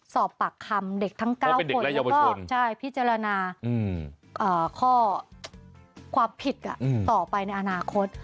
สอบปากคำเด็กทั้ง๙คนแล้วก็พิจารณาข้อความผิดต่อไปในอนาคต